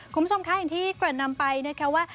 คุณผู้ชมคะอย่างที่เกริ่นนำไปนะคะว่า